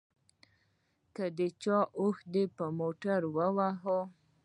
که د چا اوښ دې په موټر ووهه.